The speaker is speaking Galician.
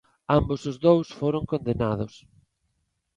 Ambos os dous foron condenados.